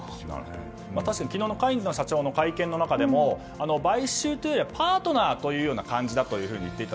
確かに昨日のカインズの社長の会見の中でも買収というよりはパートナーというような感じだというふうに言っていた。